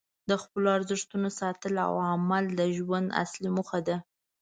د خپلو ارزښتونو ساتل او عمل کول د ژوند اصلي موخه ده.